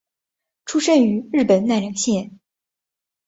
出身于日本奈良县。